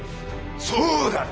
そうだ！